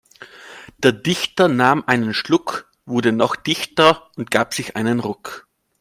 Der Dichter nahm einen Schluck, wurde noch dichter und gab sich einen Ruck.